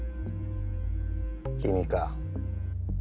君か。